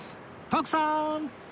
徳さーん！